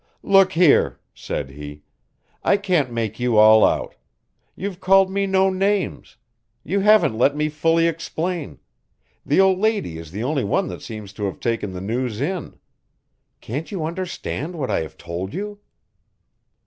"Look here," said he, "I can't make you all out you've called me no names you haven't let me fully explain, the old lady is the only one that seems to have taken the news in. Can't you understand what I have told you?"